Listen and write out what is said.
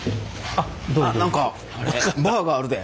あっ何かバーがあるで。